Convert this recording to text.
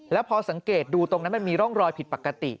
แล้วพอสังเกตดูตรงนั้นมันมีร่องรอยผิดปกติ